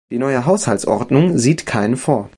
Die neue Haushaltsordnung sieht kein vor.